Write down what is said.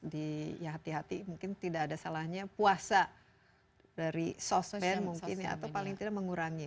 di hati hati mungkin tidak ada salahnya puasa dari sosmed mungkin ya atau paling tidak mengurangi